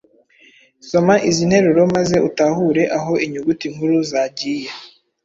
Soma izi nteruro maze utahure aho inyuguti nkuru zagiye